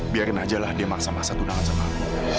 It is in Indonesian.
biarkan aja lah dia maksa maksa tunangan sama aku